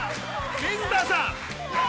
水田さん！